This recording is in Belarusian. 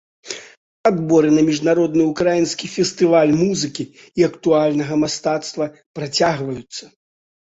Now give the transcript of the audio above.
Адборы на міжнародны ўкраінскі фестываль музыкі і актуальнага мастацтва працягваюцца.